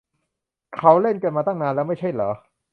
เขาเล่นกันมาตั้งนานแล้วไม่ใช่เหรอ